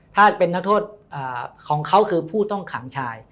ถ้าเป็นนักโทษของเขาคือผู้ต้องขังชาย